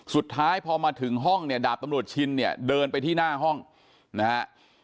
สุดท้ายพอมาถึงห้องเนี่ยดาบตำรวจชินเนี่ยเดินไปที่หน้าห้องนะฮะ